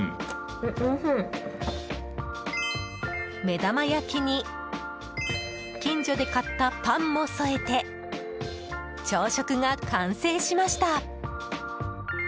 目玉焼きに近所で買ったパンも添えて朝食が完成しました。